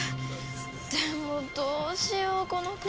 でもどうしようこの空気。